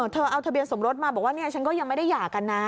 เธอเอาทะเบียนสมรสมาบอกว่าเนี่ยฉันก็ยังไม่ได้หย่ากันนะ